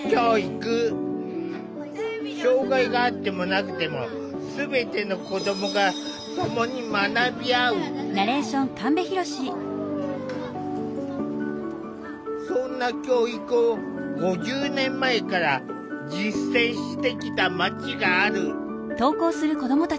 障害があってもなくても全ての子どもがそんな教育を５０年前から実践してきた町がある。